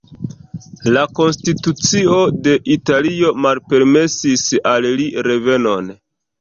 La konstitucio de Italio malpermesis al li revenon.